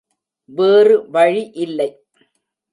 வேறு வழி இல்லை.